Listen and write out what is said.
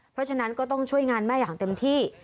เพราะฉะนั้นก็ต้องช่วยงานแม่อย่างเต็มที่